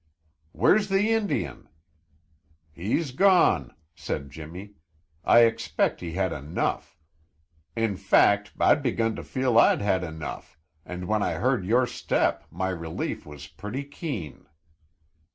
"Where's the Indian?" "He's gone," said Jimmy. "I expect he had enough. In fact, I'd begun to feel I'd had enough, and when I heard your step my relief was pretty keen."